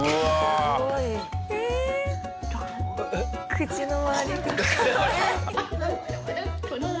口の周りが。